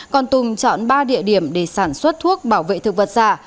còn tùng chọn ba địa điểm để sản xuất thuốc bảo vệ thực vật giả